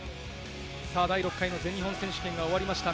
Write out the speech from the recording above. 第６回全日本選手権が終わりました。